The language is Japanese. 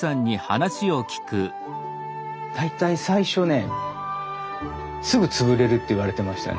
大体最初ね「すぐ潰れる」って言われてましたね。